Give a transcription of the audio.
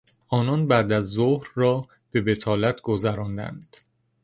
آنان بعدازظهر را به بطالت گذراندند.